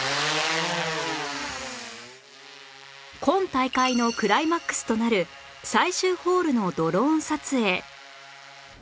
今大会のクライマックスとなる最終ホールのドローン撮影